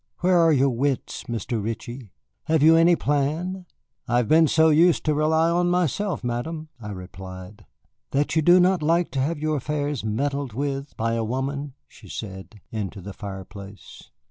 "Where are your wits, Mr. Ritchie? Have you any plan?" "I have been so used to rely on myself, Madame," I replied. "That you do not like to have your affairs meddled with by a woman," she said, into the fireplace.